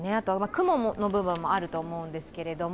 雲の部分もあると思うんですけれども。